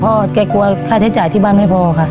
พ่อเขากลัวค่าใช้จ่ายที่บ้านไม่พอ